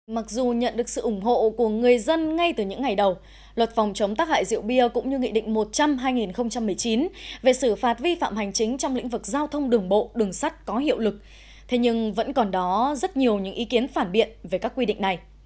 mặc dù nhận được sự ủng hộ của người dân ngay từ những ngày đầu luật phòng chống tác hại rượu bia cũng như nghị định một trăm linh hai nghìn một mươi chín về xử phạt vi phạm hành chính trong lĩnh vực giao thông đường bộ đường sắt có hiệu lực thế nhưng vẫn còn đó rất nhiều những ý kiến phản biện về các quy định này